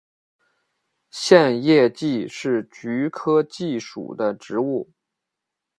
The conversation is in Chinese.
线叶蓟是菊科蓟属的植物。